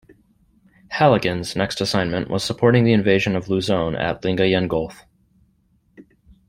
"Halligan"'s next assignment was supporting the invasion of Luzon at Lingayen Gulf.